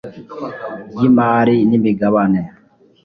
ry Imari n Imigabane